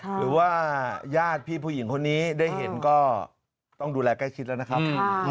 หรือว่าญาติพี่ผู้หญิงคนนี้ได้เห็นก็ต้องดูแลใกล้ชิดแล้วนะครับ